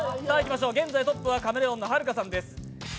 現在トップはカメレオンのはるかさんです。